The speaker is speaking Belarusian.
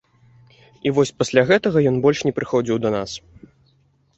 І вось пасля гэтага ён больш не прыходзіў да нас.